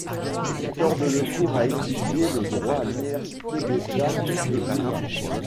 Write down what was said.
Victor Delecourt a étudié le droit à l'Université d'État de Louvain.